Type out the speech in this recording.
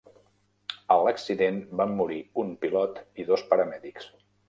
A l"accident van morir un pilot i dos paramèdics.